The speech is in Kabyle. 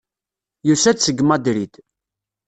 Yusa-d seg Madrid.